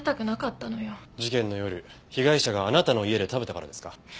事件の夜被害者があなたの家で食べたからですか？